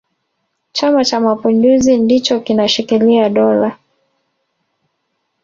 chama cha mapinduzi ndicho kinashikilia dola